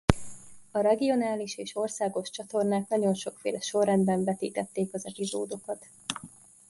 A regionális és országos csatornák nagyon sokféle sorrendben vetítették az epizódokat.